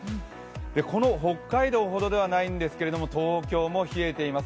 この北海道ほどではないんですけれども、東京も冷えています。